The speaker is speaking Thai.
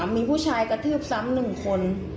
มีผู้ชายกระทืบซ้ำ๑คน